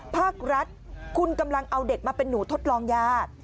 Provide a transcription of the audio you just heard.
ภาครัฐคุณกำลังเอาเด็กมาเป็นหนูทดลองยา